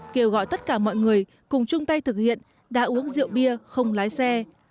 kêu gọi tất cả mọi người cùng chung tay thực hiện đã uống rượu bia không lái xe